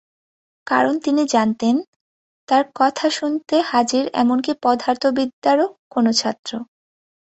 কারণ তিনি জানতেন, তাঁর কথা শুনতে হাজির এমনকি পদার্থবিদ্যারও কোনো ছাত্র।